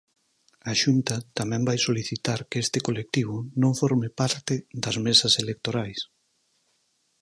A Xunta tamén vai solicitar que este colectivo non forme parte das mesas electorais.